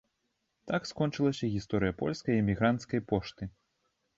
Так скончылася гісторыя польскай эмігранцкай пошты.